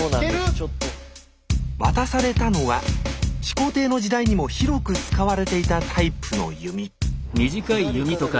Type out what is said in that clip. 渡されたのは始皇帝の時代にも広く使われていたタイプの弓左から６番目。